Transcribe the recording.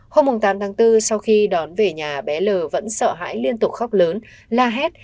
hôm tám tháng bốn sau khi đón về nhà bé l vẫn sợ hãi liên tục khóc lớn la hét